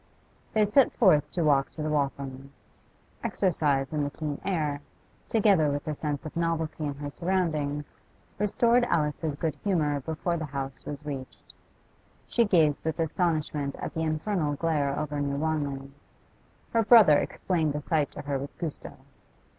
They set forth to walk to the Walthams'. Exercise in the keen air, together with the sense of novelty in her surroundings, restored Alice's good humour before the house was reached. She gazed with astonishment at the infernal glare over New Wanley. Her brother explained the sight to her with gusto.